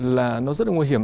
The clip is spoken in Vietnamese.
là nó rất là nguy hiểm